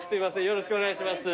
よろしくお願いします。